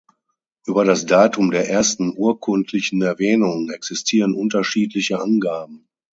Über das Datum der ersten urkundlichen Erwähnung existieren unterschiedliche Angaben.